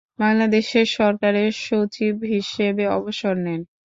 বাংলাদেশ সরকারের সচিব হিসেবে অবসর নেন।